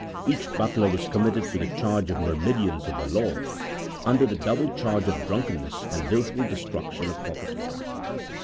Each butler was committed to the charge of myrmidons of the law under the double charge of drunkenness and wilful destruction of property.